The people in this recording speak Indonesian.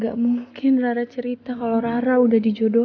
gak mungkin rara cerita kalau rara udah dijodohin